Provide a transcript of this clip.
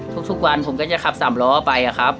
ทุกวันผมก็จะขับสามล้อไปครับ